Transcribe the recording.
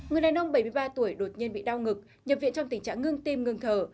người đàn ông bảy mươi ba tuổi đột nhiên bị đau ngực nhập viện trong tình trạng ngưng tim ngưng thở